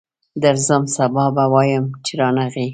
درځم، سبا به وایې چې رانغی.